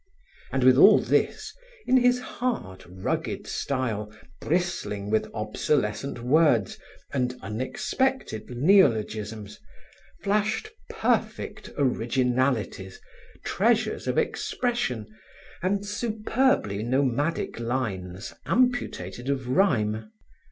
And with all this, in his hard rugged style, bristling with obsolescent words and unexpected neologisms, flashed perfect originalities, treasures of expression and superbly nomadic lines amputated of rhyme.